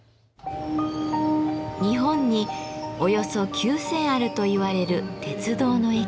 日本におよそ９，０００あるといわれる鉄道の駅。